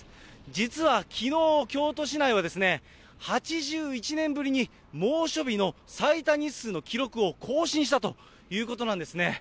実は、きのう、京都市内は、８１年ぶりに猛暑日の最多日数の記録を更新したということなんですね。